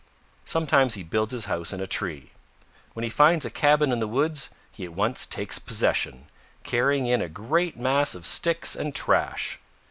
Sometimes he builds his house in a tree. When he finds a cabin in the woods he at once takes possession, carrying in a great mass of sticks and trash.